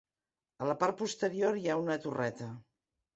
A la part posterior hi ha una torreta.